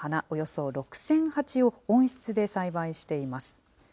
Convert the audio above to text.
およそ６０００鉢を、温室で栽培しています。